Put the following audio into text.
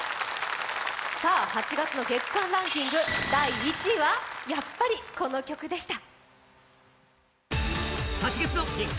８月の月間ランキング第１位はやっぱり、この曲でした。